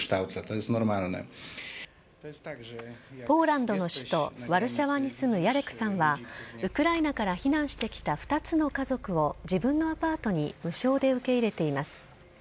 ポーランドの首都ワルシャワに住むヤレクさんは、ウクライナから避難してきた２つの家族を、自分のアパートに無償で受け入れています。